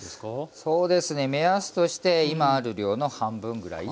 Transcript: そうですね目安として今ある量の半分ぐらい。